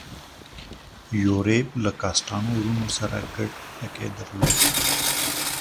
یوریب له کاسټانو وروڼو سره ګډ ټکی درلود.